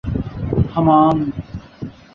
ہمانگ